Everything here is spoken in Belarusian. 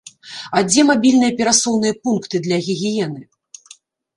А дзе мабільныя перасоўныя пункты для гігіены?